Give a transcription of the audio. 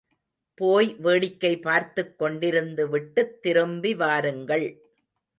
போய் வேடிக்கை பார்த்துக்கொண்டிருந்து விட்டுத் திரும்பி வாருங்கள்.